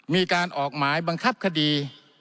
มีการออกหมายบังคับคดี